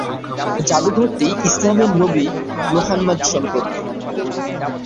জাদুঘরটি ইসলামের নবী মুহাম্মদ সম্পর্কে।